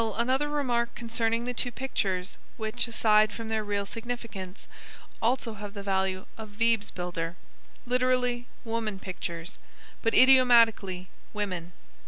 Still another remark concerning the two pictures, which, aside from their real significance, also have the value of "Weibsbilder" (literally woman pictures, but idiomatically women).